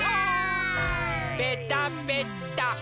ぺたぺた。